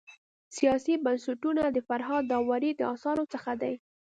سیاسي بنسټونه د فرهاد داوري د اثارو څخه دی.